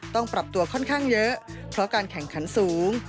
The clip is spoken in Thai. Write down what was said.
ต้องปรับตัวค่อนข้างเยอะเพราะการแข่งขันสูง